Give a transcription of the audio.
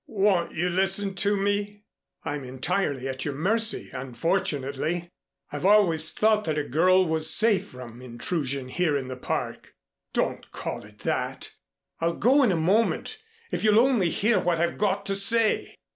"Won't you listen to me?" "I'm entirely at your mercy unfortunately. I've always thought that a girl was safe from intrusion here in the Park." "Don't call it that. I'll go in a moment, if you'll only hear what I've got to say."